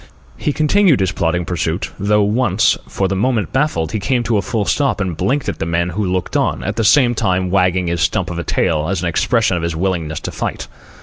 He continued his plodding pursuit, though once, for the moment baffled, he came to a full stop and blinked at the men who looked on, at the same time wagging his stump of a tail as an expression of his willingness to fight.